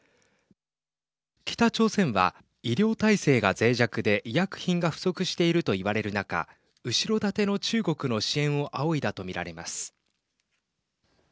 北朝鮮は医療体制がぜい弱で医薬品が不足しているといわれる中後ろ盾の中国の支援を仰いだとみられます。